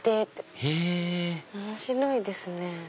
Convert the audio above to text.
へぇ面白いですね。